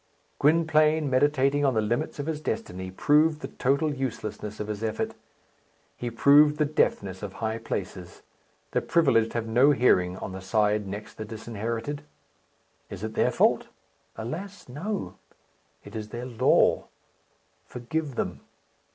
Gwynplaine, meditating on the limits of his destiny, proved the total uselessness of his effort. He proved the deafness of high places. The privileged have no hearing on the side next the disinherited. Is it their fault? Alas! no. It is their law. Forgive them!